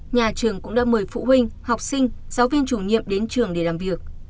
nhà trường cũng đã mời phụ huynh học sinh giáo viên chủ nhiệm đến trường để làm việc